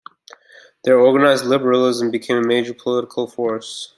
Their organized liberalism became a major political force.